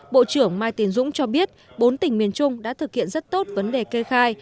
bộ trưởng mai tiến dũng cho biết bốn tỉnh miền trung đã thực hiện rất tốt vấn đề kê khai